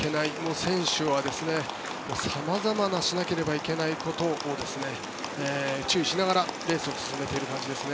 選手は様々なしなければいけないことを注意しながらやっている感じですね。